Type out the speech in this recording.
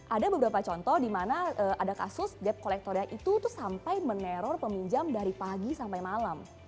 ada beberapa contoh di mana ada kasus debt collectornya itu sampai meneror peminjam dari pagi sampai malam